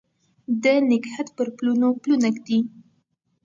د نګهت پر پلونو پلونه ږدي